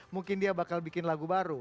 mungkin dia bakal bikin lagu baru